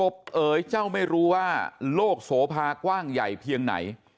เอ๋ยเจ้าไม่รู้ว่าโลกโสภากว้างใหญ่เพียงไหน